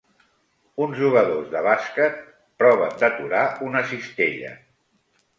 Uns jugadors de bàsquet proven d'aturar una cistella.